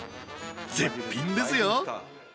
絶品ですよ！